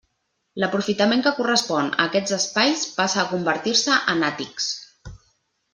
L'aprofitament que correspon a aquests espais passa a convertir-se en àtics.